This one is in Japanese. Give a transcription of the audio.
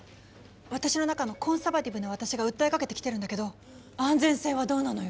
私の中のコンサバティブな私が訴えかけてきてるんだけど安全性はどうなのよ。